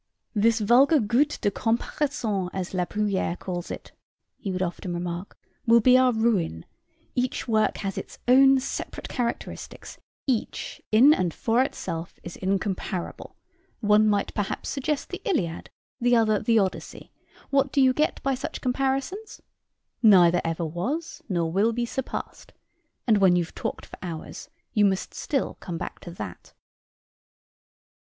"This vulgar gout de comparaison, as La Bruyère calls it," he would often remark, "will be our ruin; each work has its own separate characteristics each in and for itself is incomparable. One, perhaps, might suggest the Iliad the other the Odyssey: what do you get by such comparisons? Neither ever was, or will be surpassed; and when you've talked for hours, you must still come back to that."